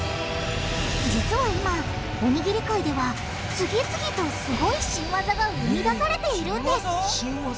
実は今おにぎり界では次々とすごい新技が生み出されているんです！